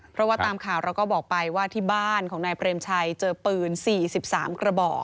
เพราะว่าตามข่าวเราก็บอกไปว่าที่บ้านของนายเปรมชัยเจอปืน๔๓กระบอก